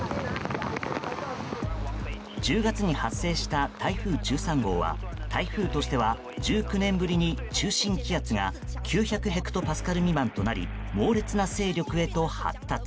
１０月に発生した台風１３号は台風としては１９年ぶりに中心気圧が９００ヘクトパスカル未満となり猛烈な勢力へと発達。